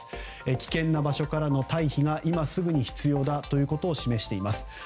危険な場所からの退避が今すぐに必要ということを示しています。